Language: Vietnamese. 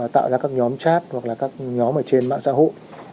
tạo ra các nhóm chat hoặc là các nhóm ở trên mạng xã hội